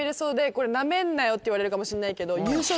これナメんなよって言われるかもしれないけど。